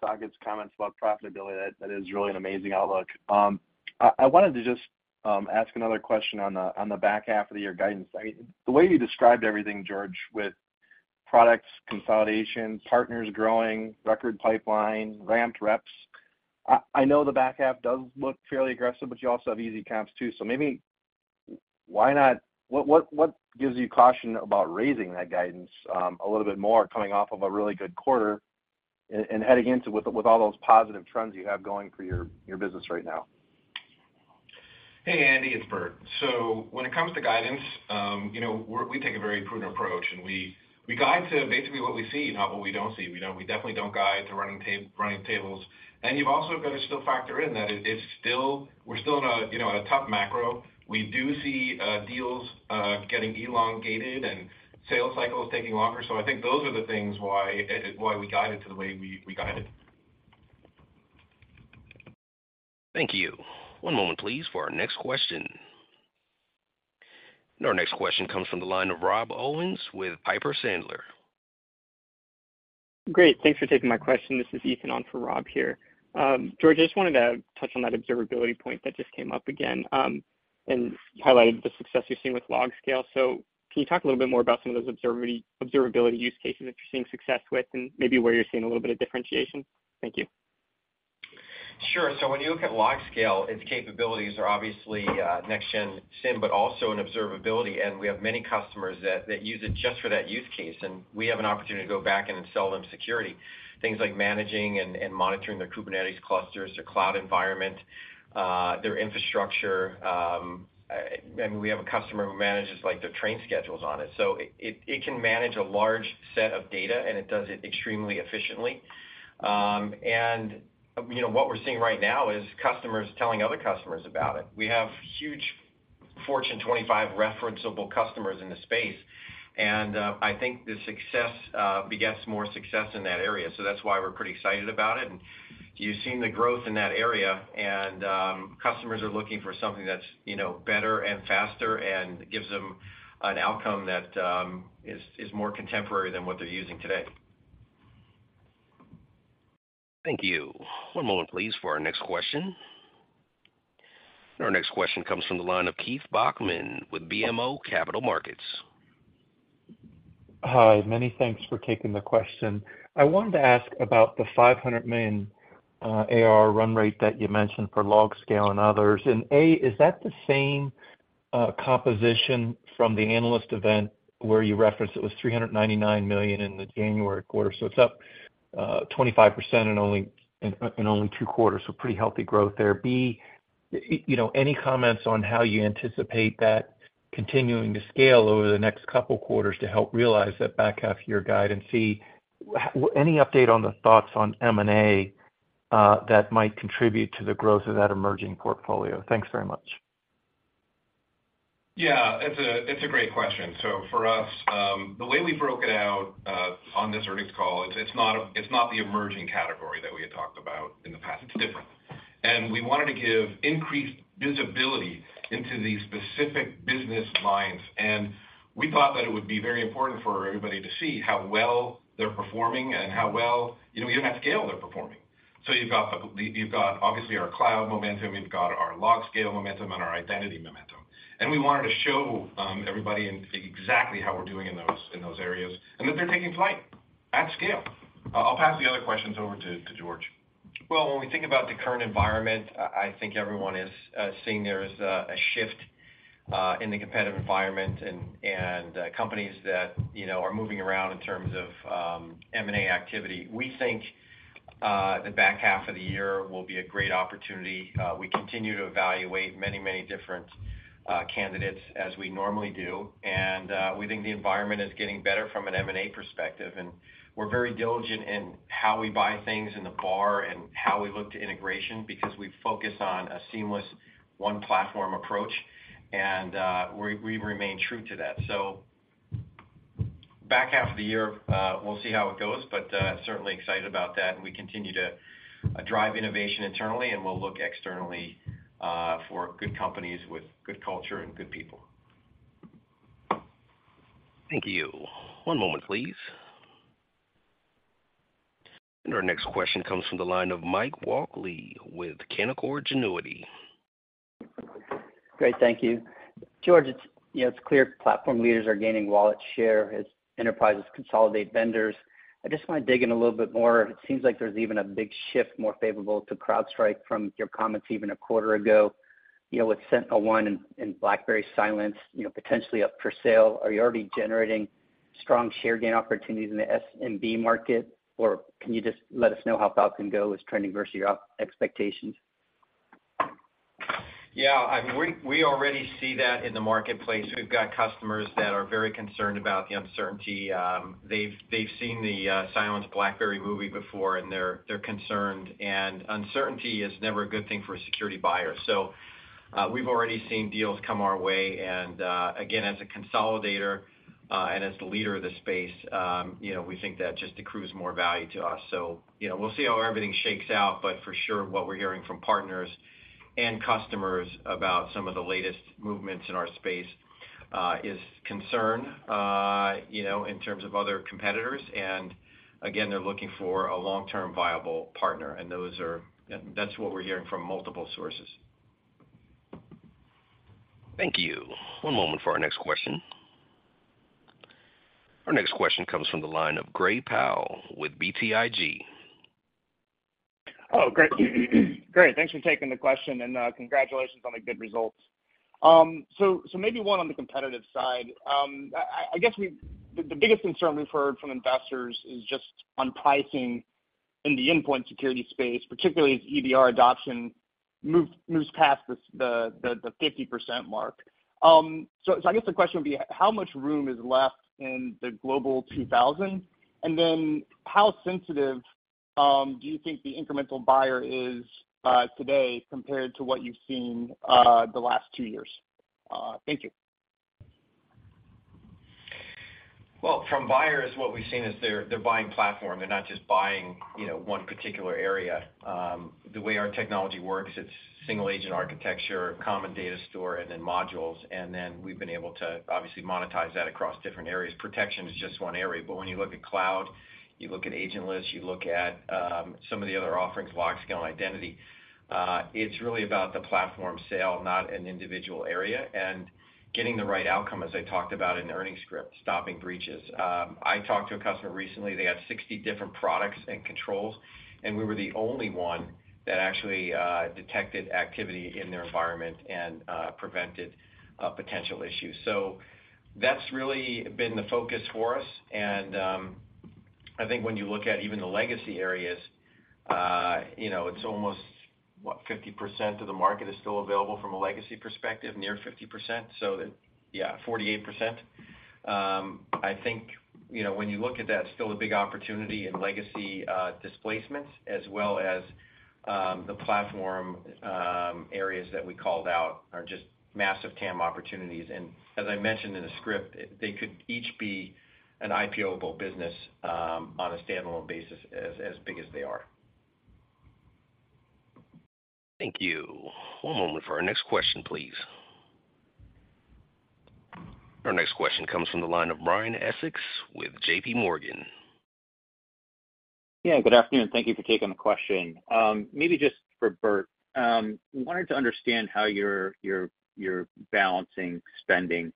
S7: Saket's comments about profitability. That is really an amazing outlook. I wanted to just ask another question on the back half of the year guidance. I mean, the way you described everything, George, with products consolidation, partners growing, record pipeline, ramped reps, I know the back half does look fairly aggressive, but you also have easy comps, too. So maybe why not? What gives you caution about raising that guidance a little bit more coming off of a really good quarter and heading into with all those positive trends you have going for your business right now?
S4: Hey, Andrew, it's Burt. So when it comes to guidance, you know, we're—we take a very prudent approach, and we guide to basically what we see, not what we don't see. We don't, we definitely don't guide to running table, running tables. And you've also got to still factor in that it's still, we're still in a you know, in a tough macro. We do see deals getting elongated and sales cycles taking longer. So I think those are the things why, why we guided to the way we guided.
S1: Thank you. One moment, please, for our next question. Our next question comes from the line of Rob Owens with Piper Sandler.
S8: Great, thanks for taking my question. This is Ethan on for Rob here. George, I just wanted to touch on that observability point that just came up again, and highlight the success you're seeing with LogScale. So can you talk a little bit more about some of those observability use cases that you're seeing success with and maybe where you're seeing a little bit of differentiation? Thank you.
S3: Sure. So when you look at LogScale, its capabilities are obviously next-gen SIEM, but also in observability, and we have many customers that use it just for that use case, and we have an opportunity to go back in and sell them security. Things like managing and monitoring their Kubernetes clusters, their cloud environment, their infrastructure, and we have a customer who manages, like, their train schedules on it. So it can manage a large set of data, and it does it extremely efficiently. And, you know, what we're seeing right now is customers telling other customers about it. We have huge Fortune 25 referenceable customers in the space, and I think the success begets more success in that area. So that's why we're pretty excited about it. You've seen the growth in that area, and customers are looking for something that's, you know, better and faster and gives them an outcome that is more contemporary than what they're using today.
S1: Thank you. One moment, please, for our next question. Our next question comes from the line of Keith Bachman with BMO Capital Markets.
S9: Hi, many thanks for taking the question. I wanted to ask about the $500 million AR run rate that you mentioned for LogScale and others. A, is that the same composition from the analyst event where you referenced it was $399 million in the January quarter, so it's up 25% in only two quarters, so pretty healthy growth there. B, you know, any comments on how you anticipate that continuing to scale over the next couple quarters to help realize that back half year guide, and C, any update on the thoughts on M&A that might contribute to the growth of that emerging portfolio? Thanks very much.
S3: Yeah, it's a great question. So for us, the way we broke it out on this earnings call, it's not the emerging category that we had talked about in the past. It's different. And we wanted to give increased visibility into these specific business lines, and we thought that it would be very important for everybody to see how well they're performing and how well, you know, even at scale, they're performing. So you've got obviously our Cloud momentum, you've got our LogScale momentum, and our Identity momentum, and we wanted to show everybody exactly how we're doing in those areas, and that they're taking flight at scale. I'll pass the other questions over to George. Well, when we think about the current environment, I think everyone is seeing there is a shift in the competitive environment and companies that, you know, are moving around in terms of M&A activity. We think the back half of the year will be a great opportunity. We continue to evaluate many, many different candidates as we normally do, and we think the environment is getting better from an M&A perspective, and we're very diligent in how we buy things in the bar and how we look to integration because we focus on a seamless one-platform approach, and we remain true to that. So back half of the year, we'll see how it goes, but certainly excited about that, and we continue to drive innovation internally, and we'll look externally for good companies with good culture and good people.
S1: Thank you. One moment, please. Our next question comes from the line of Mike Walkley with Canaccord Genuity.
S10: Great. Thank you. George, it's, you know, it's clear platform leaders are gaining wallet share as enterprises consolidate vendors. I just want to dig in a little bit more. It seems like there's even a big shift more favorable to CrowdStrike from your comments even a quarter ago. You know, with SentinelOne and BlackBerry Cylance, you know, potentially up for sale, are you already generating strong share gain opportunities in the SMB market? Or can you just let us know how Falcon Go is trending versus your expectations?
S3: Yeah, I mean, we already see that in the marketplace. We've got customers that are very concerned about the uncertainty. They've seen the Cylance BlackBerry movie before, and they're concerned, and uncertainty is never a good thing for a security buyer. So, we've already seen deals come our way, and again, as a consolidator, and as the leader of the space, you know, we think that just accrues more value to us. So, you know, we'll see how everything shakes out, but for sure, what we're hearing from partners and customers about some of the latest movements in our space is concern, you know, in terms of other competitors, and again, they're looking for a long-term viable partner, and those are... That's what we're hearing from multiple sources.
S1: Thank you. One moment for our next question. Our next question comes from the line of Gray Powell with BTIG.
S11: Oh, great. Great, thanks for taking the question, and, congratulations on the good results. So, maybe one on the competitive side. I guess, we've—the biggest concern we've heard from investors is just on pricing in the endpoint security space, particularly as EDR adoption moves past the 50% mark. So, I guess the question would be, how much room is left in the Global 2000? And then how sensitive do you think the incremental buyer is today compared to what you've seen the last two years? Thank you.
S3: Well, from buyers, what we've seen is they're buying platform. They're not just buying, you know, one particular area. The way our technology works, it's single agent architecture, common data store, and then modules, and then we've been able to obviously monetize that across different areas. Protection is just one area, but when you look at cloud, you look at agentless, you look at some of the other offerings, LogScale Identity, it's really about the platform sale, not an individual area, and getting the right outcome, as I talked about in the earnings script, stopping breaches. I talked to a customer recently, they had 60 different products and controls, and we were the only one that actually detected activity in their environment and prevented potential issues. So that's really been the focus for us, and I think when you look at even the legacy areas, you know, it's almost, what, 50% of the market is still available from a legacy perspective, near 50%. Yeah, 48%. I think, you know, when you look at that, it's still a big opportunity in legacy displacements as well as the platform areas that we called out are just massive TAM opportunities. And as I mentioned in the script, they could each be an IPO-able business on a standalone basis, as big as they are.
S1: Thank you. One moment for our next question, please. Our next question comes from the line of Brian Essex with JPMorgan.
S12: Yeah, good afternoon. Thank you for taking the question. Maybe just for Burt, wanted to understand how you're balancing spending,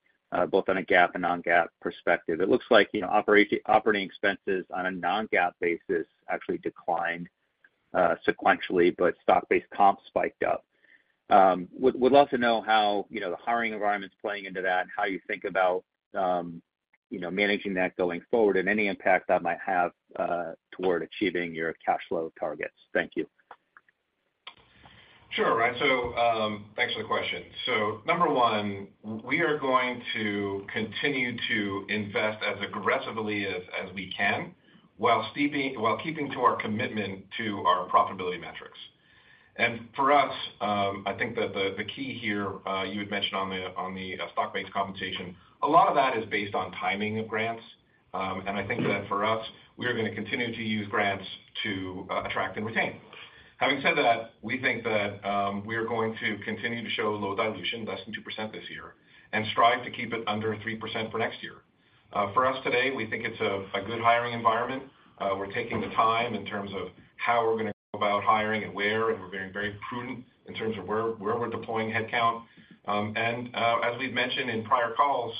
S12: both on a GAAP and non-GAAP perspective. It looks like, you know, operating expenses on a non-GAAP basis actually declined sequentially, but stock-based comp spiked up. Would love to know how, you know, the hiring environment's playing into that and how you think about, you know, managing that going forward, and any impact that might have toward achieving your cash flow targets. Thank you.
S4: Sure, Brian. So, thanks for the question. So, number one, we are going to continue to invest as aggressively as we can, while keeping to our commitment to our profitability metrics. And for us, I think that the key here, you had mentioned on the stock-based compensation, a lot of that is based on timing of grants. And I think that for us, we are gonna continue to use grants to attract and retain. Having said that, we think that we are going to continue to show low dilution, less than 2% this year, and strive to keep it under 3% for next year. For us today, we think it's a good hiring environment. We're taking the time in terms of how we're gonna go about hiring and where, and we're being very prudent in terms of where, where we're deploying headcount. And, as we've mentioned in prior calls,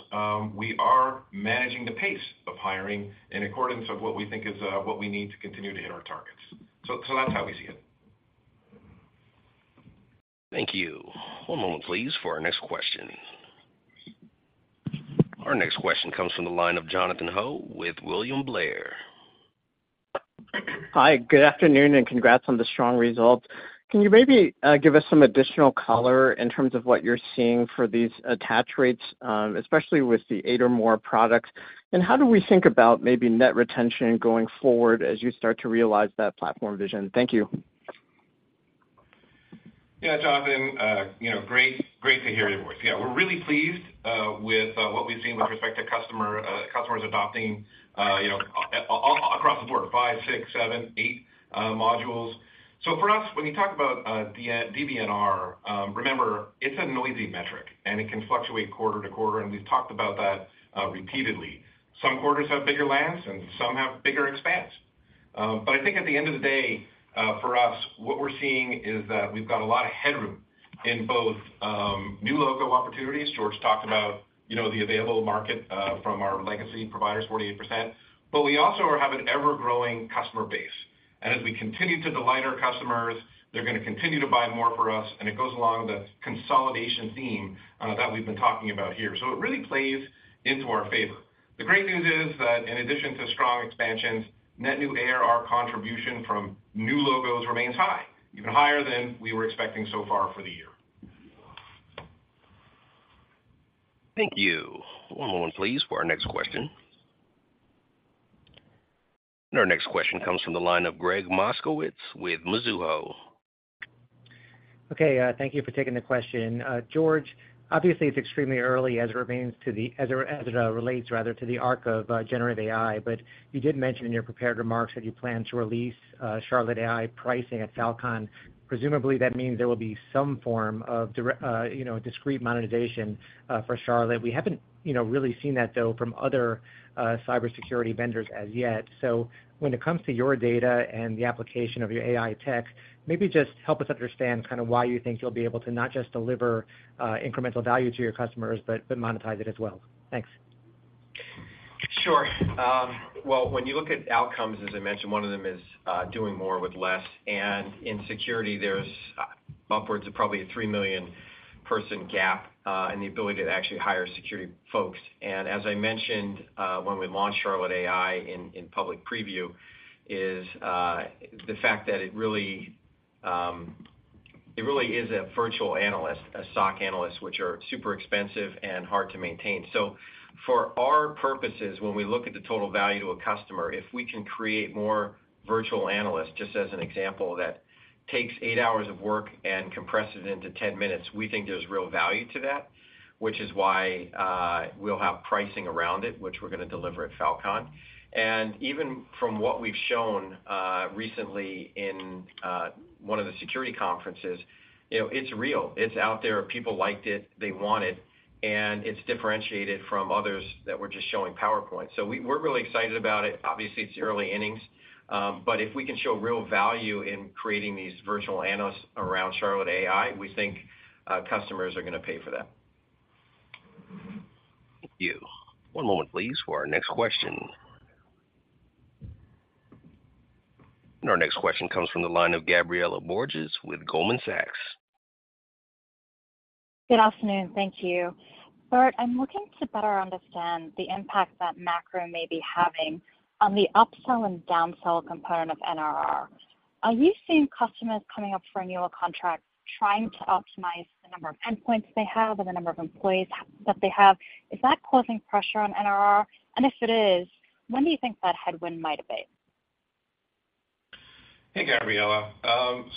S4: we are managing the pace of hiring in accordance of what we think is what we need to continue to hit our targets. So, that's how we see it.
S1: Thank you. One moment, please, for our next question. Our next question comes from the line of Jonathan Ho with William Blair.
S13: Hi, good afternoon, and congrats on the strong results. Can you maybe give us some additional color in terms of what you're seeing for these attach rates, especially with the eight or more products? And how do we think about maybe net retention going forward as you start to realize that platform vision? Thank you.
S4: Yeah, Jonathan, you know, great, great to hear your voice. Yeah, we're really pleased with what we've seen with respect to customers adopting, you know, across the board, five, six, seven, eight modules. So for us, when you talk about the DBNR, remember, it's a noisy metric, and it can fluctuate quarter to quarter, and we've talked about that repeatedly. Some quarters have bigger lands and some have bigger expansion. But I think at the end of the day, for us, what we're seeing is that we've got a lot of headroom in both new logo opportunities. George talked about, you know, the available market from our legacy providers, 48%, but we also have an ever-growing customer base. As we continue to delight our customers, they're gonna continue to buy more from us, and it goes along the consolidation theme that we've been talking about here. It really plays into our favor. The great news is that in addition to strong expansions, Net New ARR contribution from new logos remains high, even higher than we were expecting so far for the year.
S1: Thank you. One moment please, for our next question. Our next question comes from the line of Gregg Moskowitz with Mizuho.
S14: Okay, thank you for taking the question. George, obviously, it's extremely early as it relates rather to the arc of generative AI, but you did mention in your prepared remarks that you plan to release Charlotte AI pricing at Falcon. Presumably, that means there will be some form of you know, discrete monetization for Charlotte. We haven't, you know, really seen that, though, from other cybersecurity vendors as yet. So when it comes to your data and the application of your AI tech, maybe just help us understand kind of why you think you'll be able to not just deliver incremental value to your customers, but monetize it as well. Thanks.
S3: Sure. Well, when you look at outcomes, as I mentioned, one of them is, doing more with less. And in security, there's, upwards of probably a three million person gap, in the ability to actually hire security folks. And as I mentioned, when we launched Charlotte AI in public preview, is, the fact that it really, it really is a virtual analyst, a SOC analyst, which are super expensive and hard to maintain. So for our purposes, when we look at the total value to a customer, if we can create more virtual analysts, just as an example, that takes eight hours of work and compresses it into 10 minutes, we think there's real value to that, which is why, we'll have pricing around it, which we're gonna deliver at Falcon. And even from what we've shown, recently in one of the security conferences, you know, it's real. It's out there, people liked it, they want it, and it's differentiated from others that were just showing PowerPoint. So we're really excited about it. Obviously, it's early innings, but if we can show real value in creating these virtual analysts around Charlotte AI, we think, customers are gonna pay for that.
S1: Thank you. One moment, please, for our next question. And our next question comes from the line of Gabriela Borges with Goldman Sachs.
S15: Good afternoon. Thank you. Burt, I'm looking to better understand the impact that macro may be having on the upsell and downsell component of NRR. Are you seeing customers coming up for annual contracts, trying to optimize the number of endpoints they have and the number of employees that they have? Is that causing pressure on NRR? And if it is, when do you think that headwind might abate?
S4: Hey, Gabriela.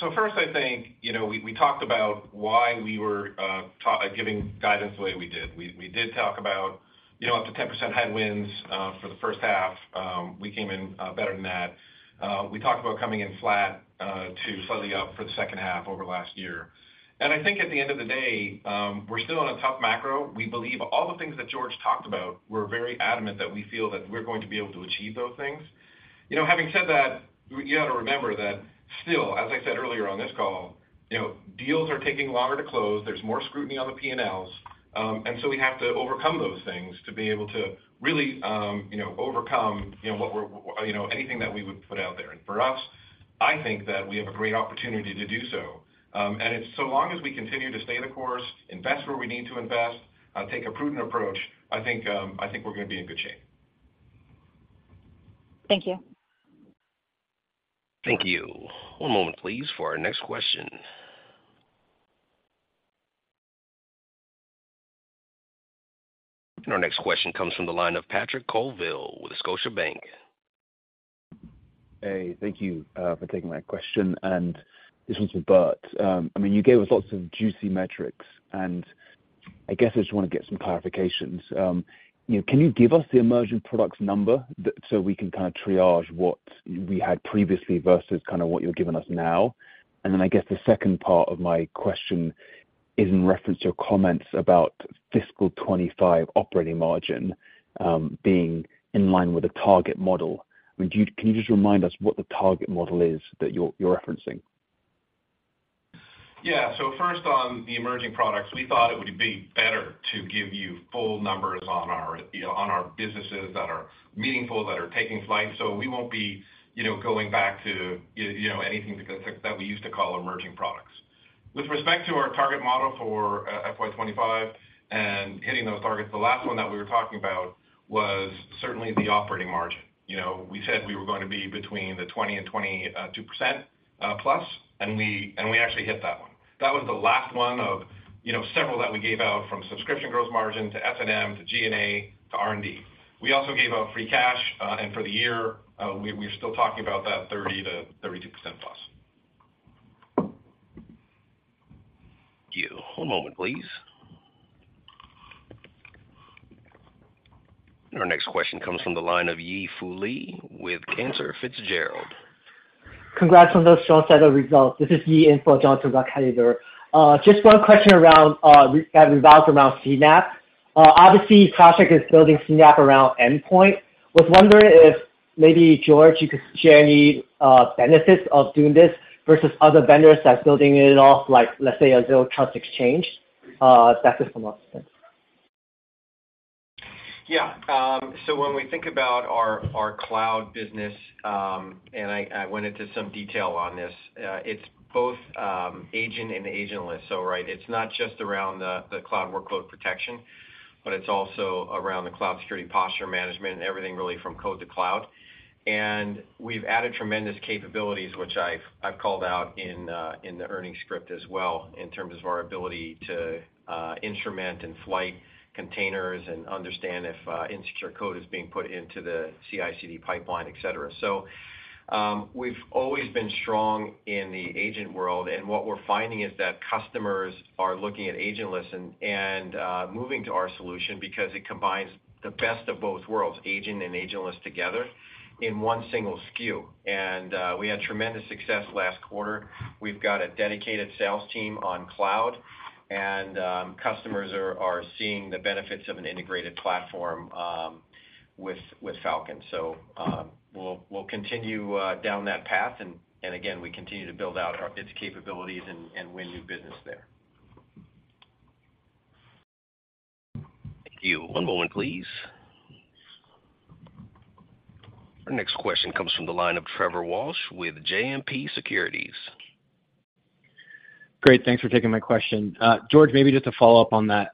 S4: So first, I think, you know, we, we talked about why we were giving guidance the way we did. We, we did talk about, you know, up to 10% headwinds for the first half. We came in better than that. We talked about coming in flat to slightly up for the second half over last year. And I think at the end of the day, we're still in a tough macro. We believe all the things that George talked about, we're very adamant that we feel that we're going to be able to achieve those things. You know, having said that, you gotta remember that still, as I said earlier on this call, you know, deals are taking longer to close, there's more scrutiny on the PNLs, and so we have to overcome those things to be able to really, you know, overcome, you know, what we're, you know, anything that we would put out there. And for us, I think that we have a great opportunity to do so. And it's so long as we continue to stay the course, invest where we need to invest, take a prudent approach, I think, I think we're gonna be in good shape.
S15: Thank you.
S1: Thank you. One moment, please, for our next question. Our next question comes from the line of Patrick Colville with Scotiabank.
S16: Hey, thank you for taking my question, and this one's for Burt. I mean, you gave us lots of juicy metrics, and I guess I just wanna get some clarifications. You know, can you give us the emerging products number that—so we can kind of triage what we had previously versus kind of what you're giving us now? And then I guess the second part of my question is in reference to your comments about fiscal 25 operating margin being in line with the target model. I mean, do you—can you just remind us what the target model is that you're referencing?
S4: Yeah. So first on the emerging products, we thought it would be better to give you full numbers on our, you know, on our businesses that are meaningful, that are taking flight. So we won't be, you know, going back to, you, you know, anything that, that we used to call emerging products. With respect to our target model for FY 2025 and hitting those targets, the last one that we were talking about was certainly the operating margin. You know, we said we were going to be between 20% and +22%, and we, and we actually hit that one. That was the last one of, you know, several that we gave out from subscription growth margin to S&M, to G&A, to R&D. We also gave out free cash, and for the year, we're still talking about that 30% to +32%.
S1: One moment, please. Our next question comes from the line of Yi Fu Lee with Cantor Fitzgerald.
S17: Congrats on those strong set of results. This is Yi from Cantor Fitzgerald, how are you there? Just one question around that revolves around CNAPP. Obviously, CrowdStrike is building CNAPP around endpoint. Was wondering if maybe, George, you could share any benefits of doing this versus other vendors that's building it off, like, let's say, Azure trust exchange. That's it from us. Thanks.
S3: Yeah. So when we think about our cloud business, and I went into some detail on this, it's both agent and agentless. So right, it's not just around the cloud workload protection, but it's also around the cloud security posture management and everything really from code to cloud. We've added tremendous capabilities, which I've called out in the earnings script as well, in terms of our ability to instrument and flight containers and understand if insecure code is being put into the CI/CD pipeline, etc. We've always been strong in the agent world, and what we're finding is that customers are looking at agentless and moving to our solution because it combines the best of both worlds, agent and agentless together in one single SKU. We had tremendous success last quarter. We've got a dedicated sales team on cloud, and customers are seeing the benefits of an integrated platform with Falcon. We'll continue down that path and again, we continue to build out its capabilities and win new business there.
S1: Thank you. One moment, please. Our next question comes from the line of Trevor Walsh with JMP Securities.
S18: Great, thanks for taking my question. George, maybe just to follow up on that,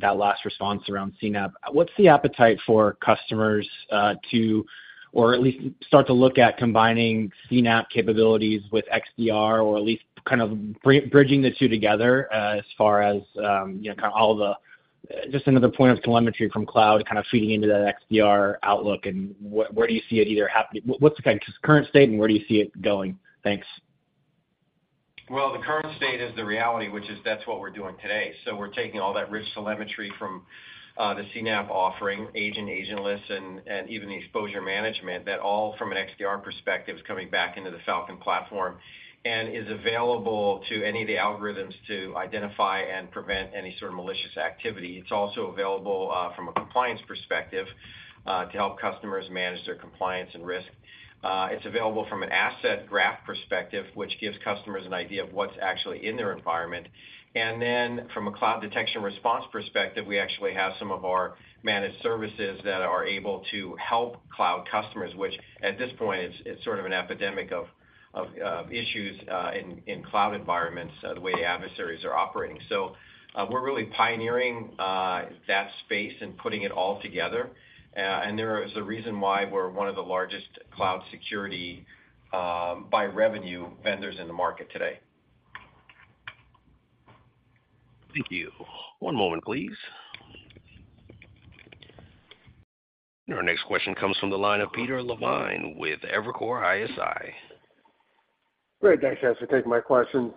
S18: that last response around CNAPP. What's the appetite for customers, to, or at least start to look at combining CNAPP capabilities with XDR, or at least kind of bridging the two together, as far as, you know, kind of all the... Just another point of telemetry from cloud, kind of, feeding into that XDR outlook, and where do you see it either happening? What's the kind, current state, and where do you see it going? Thanks.
S3: Well, the current state is the reality, which is that's what we're doing today. So we're taking all that rich telemetry from the CNAPP offering, agent, agentless, and even the exposure management, that all, from an XDR perspective, is coming back into the Falcon platform and is available to any of the algorithms to identify and prevent any sort of malicious activity. It's also available from a compliance perspective to help customers manage their compliance and risk. It's available from an AssetGraph perspective, which gives customers an idea of what's actually in their environment. And then, from a cloud detection response perspective, we actually have some of our managed services that are able to help cloud customers, which, at this point, it's sort of an epidemic of issues in cloud environments, the way adversaries are operating. So, we're really pioneering that space and putting it all together. There is a reason why we're one of the largest cloud security, by revenue, vendors in the market today.
S1: Thank you. One moment, please. Our next question comes from the line of Peter Levine with Evercore ISI.
S19: Great, thanks guys, for taking my questions.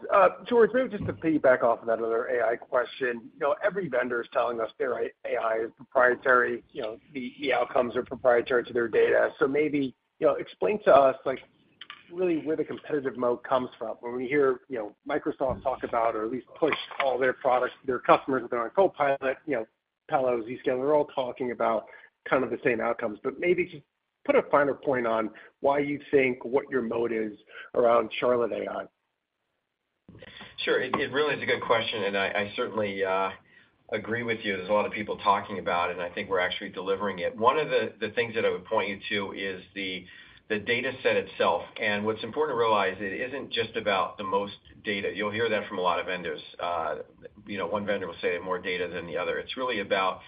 S19: George, maybe just to piggyback off of that other AI question. You know, every vendor is telling us their AI is proprietary, you know, the, the outcomes are proprietary to their data. So maybe, you know, explain to us, like, really where the competitive mode comes from. When we hear, you know, Microsoft talk about, or at least push all their products, their customers that are on Copilot, you know, Palo, Zscaler, are all talking about kind of the same outcomes. But maybe just put a finer point on why you think what your mode is around Charlotte AI.
S3: Sure. It really is a good question, and I certainly agree with you. There's a lot of people talking about it, and I think we're actually delivering it. One of the things that I would point you to is the dataset itself. What's important to realize, it isn't just about the most data. You'll hear that from a lot of vendors. You know, one vendor will say more data than the other. It's really about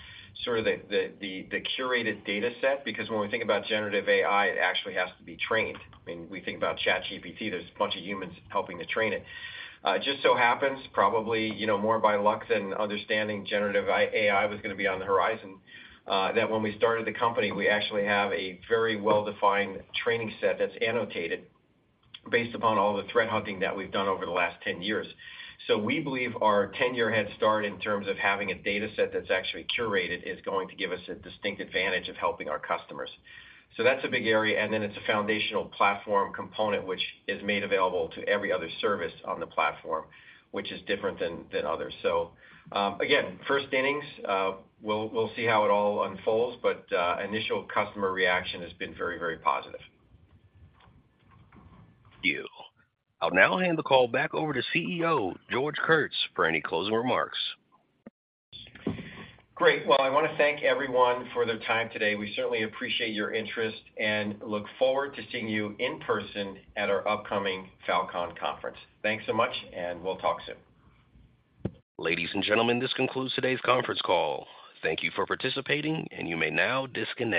S3: sort of the curated dataset, because when we think about generative AI, it actually has to be trained. I mean, we think about ChatGPT, there's a bunch of humans helping to train it. It just so happens, probably, you know, more by luck than understanding generative AI was gonna be on the horizon, that when we started the company, we actually have a very well-defined training set that's annotated based upon all the threat hunting that we've done over the last 10 years. So we believe our 10-year head start, in terms of having a dataset that's actually curated, is going to give us a distinct advantage of helping our customers. So that's a big area, and then it's a foundational platform component, which is made available to every other service on the platform, which is different than others. Again, first innings, we'll see how it all unfolds, but initial customer reaction has been very, very positive.
S1: Thank you. I'll now hand the call back over to CEO, George Kurtz, for any closing remarks.
S3: Great. Well, I want to thank everyone for their time today. We certainly appreciate your interest and look forward to seeing you in person at our upcoming Falcon Conference. Thanks so much, and we'll talk soon.
S1: Ladies and gentlemen, this concludes today's conference call. Thank you for participating, and you may now disconnect.